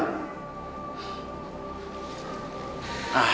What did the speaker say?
dan si ika meninggal